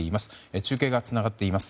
中継がつながっています。